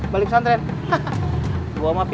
perkenalkan tempat utama kan